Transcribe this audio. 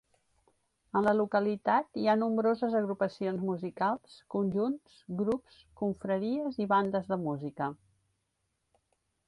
En la localitat hi ha nombroses agrupacions musicals, conjunts, grups, confraries i bandes de música.